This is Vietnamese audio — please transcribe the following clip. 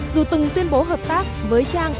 dù từng tuyên bố hợp tác với trang